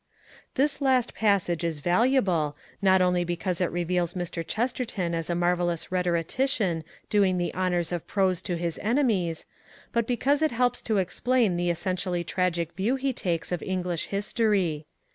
This last passage is valuable, not only because it reveals Mr. Chesterton as a marvellous rhetorician doing the honours of prose to his enemies, but because it helps to explain the essentially tragic view he takes of English history.